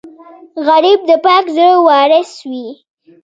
غریب د پاک زړه وارث وي